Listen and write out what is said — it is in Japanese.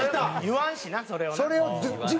言わんしなそれをな。